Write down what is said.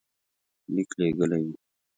لیک لېږلی وو.